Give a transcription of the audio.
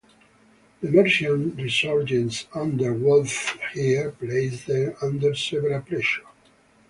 The Mercian resurgence under Wulfhere placed them under severe pressure.